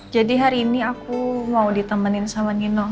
jadi hari ini aku mau ditemenin sama nino